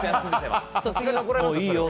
さすがに怒られますよ。